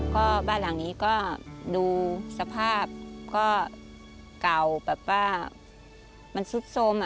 ก็บ้านหลังนี้ก็ดูสภาพก็เก่าแบบว่ามันซุดสม